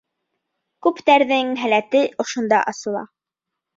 Күптәрҙең һәләте ошонда асыла.